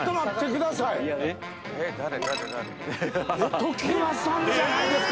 常盤さんじゃないですか！